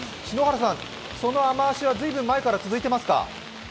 その雨足は随分前から続いていますか？